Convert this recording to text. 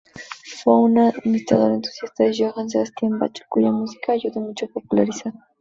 Fue un admirador entusiasta de Johann Sebastian Bach, cuya música ayudó mucho a popularizar.